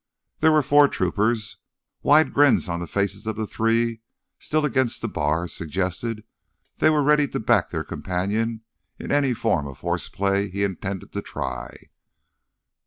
There were four troopers. Wide grins on the faces of the three still against the bar suggested they were ready to back their companion in any form of horseplay he intended to try.